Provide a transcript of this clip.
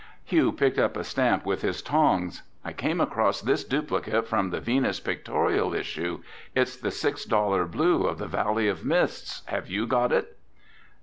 Hugh picked up a stamp with his tongs. "I came across this duplicate from the Venus pictorial issue. It's the six dollar blue of the Valley of Mists. Have you got it?"